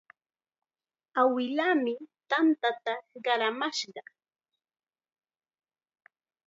Awilaami tanta qaramashqa.